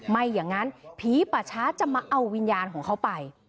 ไม่อย่างนั้นผีป่าช้าจะมาเอาวิญญาณของเขาไป